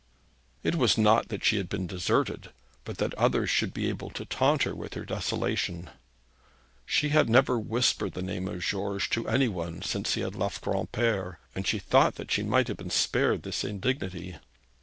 It was not that she had been deserted, but that others should be able to taunt her with her desolation. She had never whispered the name of George to any one since he had left Granpere, and she thought that she might have been spared this indignity.